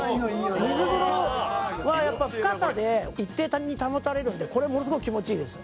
「水風呂はやっぱ深さで一定に保たれるんでこれものすごく気持ちいいです」